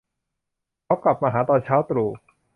เขากลับมาหาตอนเช้าตรู่